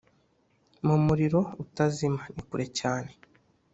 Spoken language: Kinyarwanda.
mu muriro utazima ni kure cyane,